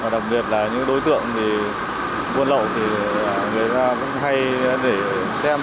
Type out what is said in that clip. đồng thời đối tượng buôn lậu cũng hay xem